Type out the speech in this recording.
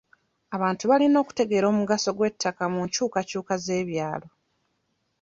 Abantu balina okutegeera omugaso gw'ettaka mu nkyukakyuka z'ebyalo.